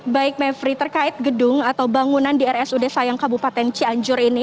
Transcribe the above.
baik mevri terkait gedung atau bangunan di rsud sayang kabupaten cianjur ini